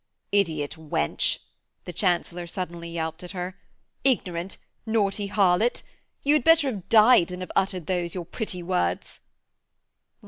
'Idiot wench,' the Chancellor suddenly yelped at her, 'ignorant, naughty harlot! You had better have died than have uttered those your pretty words.'